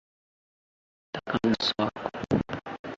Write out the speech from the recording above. Ndipo nasema, nataka mguso wako.